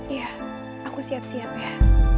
ya aku siap siap ya